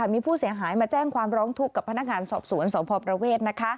มีผู้เสียหายมาแจ้งความร้องทุกข์กับพนักงานสอบสวนสพประเวท